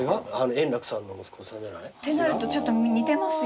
円楽さんの息子さんじゃない？ってなるとちょっと似てますよね。